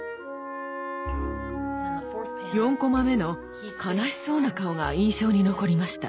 ４コマ目の悲しそうな顔が印象に残りました。